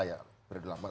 ya berarti lama